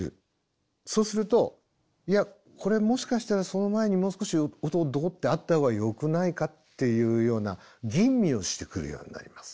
そうするといやこれもしかしたらその前にもう少し音をドってあったほうがよくないかっていうような吟味をしてくるようになります。